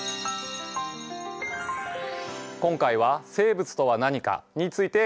今回は「生物とは何か」について考えてきました。